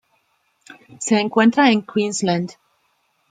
Se encuentra en Queensland.